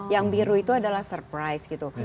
yang biru itu adalah surprise gitu